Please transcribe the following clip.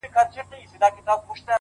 o ولي مي هره شېبه هر ساعت پر اور کړوې ـ